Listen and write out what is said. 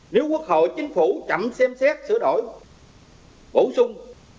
nếu quốc hội chính phủ chậm xem xét sửa đổi bổ sung